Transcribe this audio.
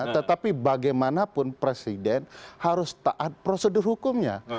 tetapi bagaimanapun presiden harus taat prosedur hukumnya